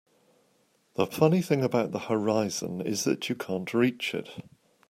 The funny thing about the horizon is that you can't reach it.